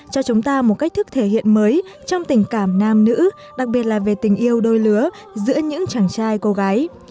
cho chúng ta một cách thức thể hiện mới trong tình cảm nam nữ đặc biệt là về tình yêu đôi lứa giữa những chàng trai cô gái